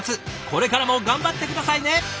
これからも頑張って下さいね。